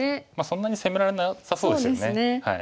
そんなに攻められなさそうですよね。